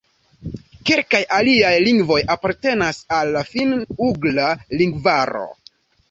Kelkaj aliaj lingvoj apartenas al la Finn-ugra lingvaro.